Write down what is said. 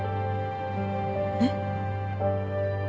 えっ？